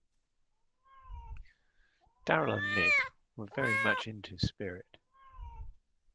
Darryl and Nick were very much into Spirit.